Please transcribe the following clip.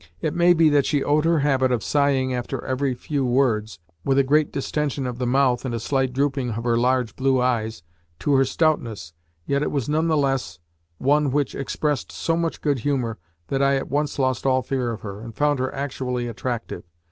It may be that she owed her habit of sighing after every few words with a great distention of the mouth and a slight drooping of her large blue eyes to her stoutness, yet it was none the less one which expressed so much good humour that I at once lost all fear of her, and found her actually attractive.